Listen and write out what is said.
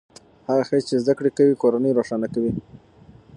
هغه ښځې چې زده کړې کوي کورنۍ روښانه کوي.